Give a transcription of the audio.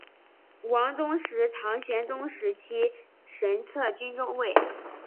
王宗实唐宣宗时期神策军中尉。